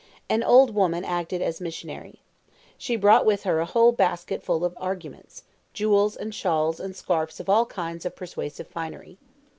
An old woman acted as missionary. She brought with her a whole basketful of arguments—jewels and shawls and scarfs and all kinds of persuasive finery.